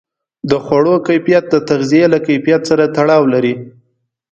د خوړو کیفیت د تغذیې له کیفیت سره تړاو لري.